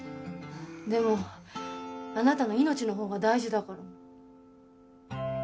でもあなたの命のほうが大事だから。